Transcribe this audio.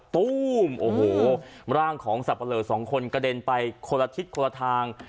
ตู้มโอ้โหร่างของสับปะเลอสองคนกระเด็นไปคนละทิศคนละทาง